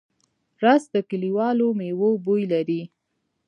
رس د کلیوالو مېوو بوی لري